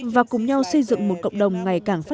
và cùng nhau xây dựng một cộng đồng ngày càng tốt